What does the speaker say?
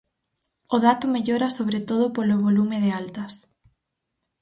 O dato mellora sobre todo polo volume de altas.